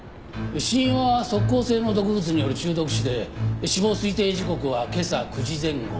死因は即効性の毒物による中毒死で死亡推定時刻は今朝９時前後。